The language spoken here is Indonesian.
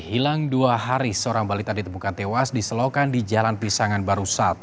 hilang dua hari seorang balita ditemukan tewas di selokan di jalan pisangan baru satu